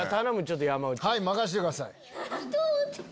はい任してください。